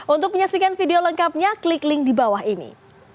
untuk menyaksikan video lengkapnya klik link di bawah ini